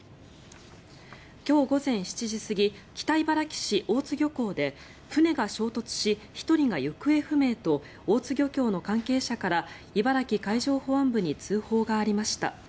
今日午前７時過ぎ北茨城市・大津漁港で船が衝突し、１人が行方不明と大津漁協の関係者から茨城海上保安部に通報がありました。